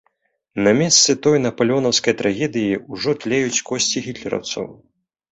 На месцы той напалеонаўскай трагедыі ўжо тлеюць косці гітлераўцаў.